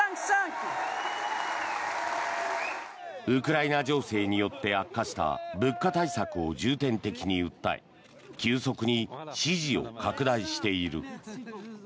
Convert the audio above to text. ウクライナ情勢によって悪化した物価対策を重点的に訴え急速に支持を拡大している。